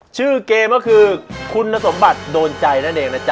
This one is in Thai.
ชื่อเกมคือคุณสมบัติโดนใจซะเองหนาจ๊ะ